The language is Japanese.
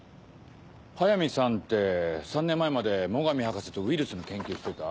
速水さんって３年前まで最上博士とウイルスの研究してた？